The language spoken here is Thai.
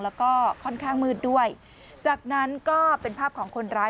แล้วก็ค่อนข้างมืดด้วยจากนั้นก็เป็นภาพของคนร้าย